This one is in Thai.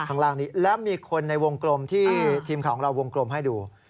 ข้างล่างนี้แล้วมีคนในวงกลมที่ทีมข่าวของเราวงกลมให้ดู